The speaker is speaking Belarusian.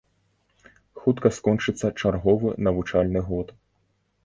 Хутка скончыцца чарговы навучальны год.